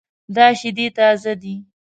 دا شیدې تازه دي